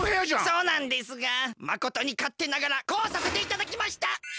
そうなんですがまことにかってながらこうさせていただきました！